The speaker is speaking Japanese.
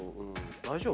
大丈夫？